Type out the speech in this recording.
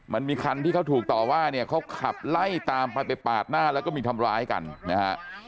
มันมีคันที่เขาถูกต่อว่าเนี่ยเขาขับไล่ตามไปไปปาดหน้าแล้วก็มีทำร้ายกันนะฮะ